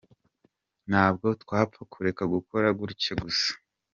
Ntabwo twapfa kureka gukora gutyo gusa.